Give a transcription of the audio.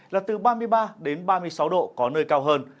là từ ba mươi ba đến ba mươi sáu độ có nơi cao hơn